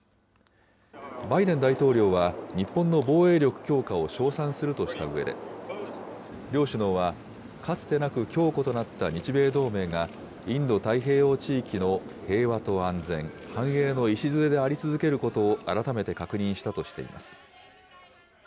バイデン大統領は日本の防衛力強化を称賛するとしたうえで、両首脳は、かつてなく強固となった日米同盟が、インド太平洋地域の平和と安全、繁栄の礎であり続けることを改めて確認したとしています。